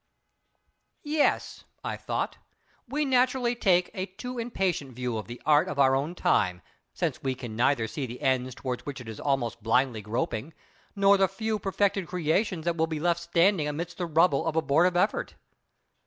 Yes—I thought—we naturally take a too impatient view of the Art of our own time, since we can neither see the ends toward which it is almost blindly groping, nor the few perfected creations that will be left standing amidst the rubble of abortive effort.